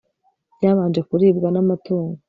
byabanje kuribwa na matungo